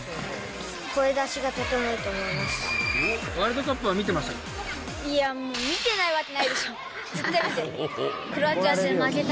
声出しがとてもいいと思いました。